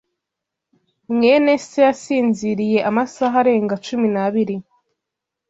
mwene se yasinziriye amasaha arenga cumi n'abiri.